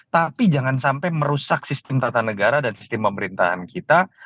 tapi jangan sampai merusak sistem tata negara dan sistem pemerintahan kita